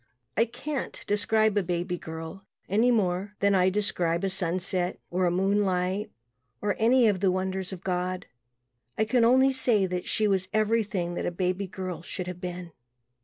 I can't describe a baby girl any more than I describe a sunset or moonlight or any of the wonders of God I can only say that she was everything that a baby girl should have been.